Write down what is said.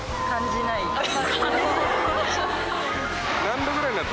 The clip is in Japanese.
感じない。